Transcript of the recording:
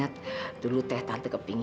tante inget dulu teh tante kepingin